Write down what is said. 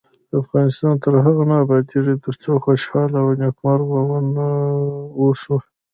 افغانستان تر هغو نه ابادیږي، ترڅو خوشحاله او نیکمرغه ونه اوسو.